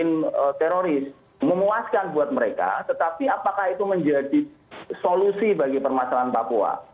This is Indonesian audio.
ini bukan teroris memuaskan buat mereka tetapi apakah itu menjadi solusi bagi permasalahan papua